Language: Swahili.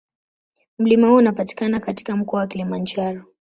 Mlima huo unapatikana katika Mkoa wa Kilimanjaro.